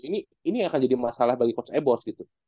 ini yang akan jadi masalah bagi coach eborz gitu